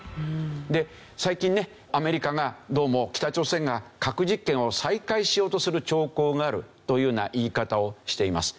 で最近ねアメリカがどうも北朝鮮が核実験を再開しようとする兆候があるというような言い方をしています。